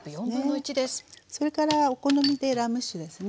それからお好みでラム酒ですね。